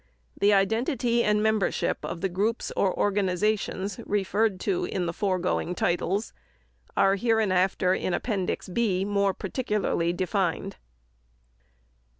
The identity and membership of the groups or organizations referred to in the foregoing titles are hereinafter in Appendix B more particularly defined.